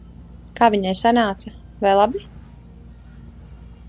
Kā viņai sanāca? Vai labi?